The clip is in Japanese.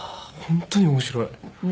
本当に面白い。